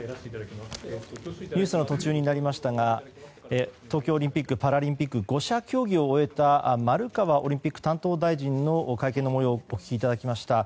ニュースの途中になりましたが東京オリンピック・パラリンピック５者協議を終えた丸川オリンピック担当大臣の会見の模様をお聞きいただきました。